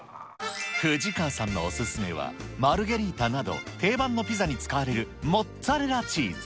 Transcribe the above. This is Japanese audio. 藤川さんのお勧めはマルゲリータなど、定番のピザに使われるモッツァレラチーズ。